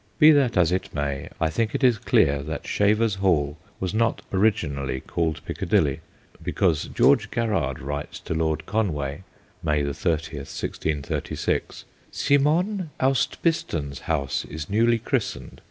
Be that as it may, I think it is clear that Shaver's Hall was not originally called Piccadilly, because George Garrard writes to Lord Conway, May 30, 1636 'Simone Austbiston's house is newly christened.